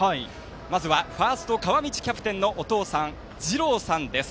まずはファースト川道キャプテンのお父さん二郎さんです。